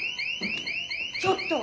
ちょっと！